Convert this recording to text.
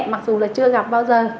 mặc dù là chưa gặp bao giờ